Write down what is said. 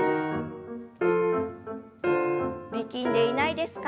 力んでいないですか？